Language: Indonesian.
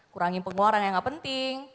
kurangin pengeluaran yang gak penting